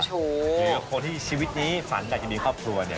คนที่ชีวิตนี้ฝันอยากจะมีครอบครัวเนี่ย